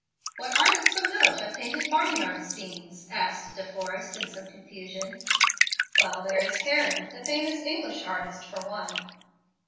"What artists of note have painted barn yard scenes?" asked De Forrest, in some confusion. "Well, there is Herring, the famous English artist, for one."